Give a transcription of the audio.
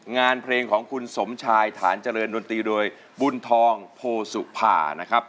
งานเพลงของคุณสมชายฐานเจริญดนตรีโดยบุญทองโพสุภานะครับ